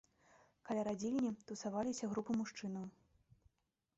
Каля радзільні тусаваліся групы мужчынаў.